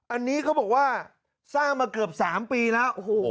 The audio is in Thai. อันนี้เขาบอกว่าสร้างมาเกือบ๓ปีแล้ว